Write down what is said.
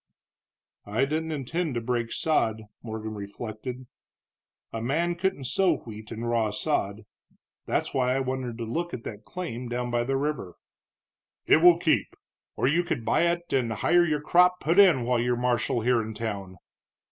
"I didn't intend to break sod," Morgan reflected, "a man couldn't sow wheat in raw sod. That's why I wanted to look at that claim down by the river." "It will keep. Or you could buy it, and hire your crop put in while you're marshal here in town."